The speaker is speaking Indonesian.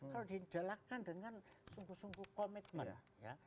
kalau dijalankan dengan sungguh sungguh komitmen ya